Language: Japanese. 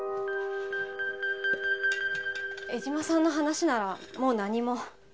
江島さんの話ならもう何も。